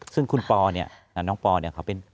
ซึ่งคุณปอเนี่ยน้องปอเนี่ยเขาเป็น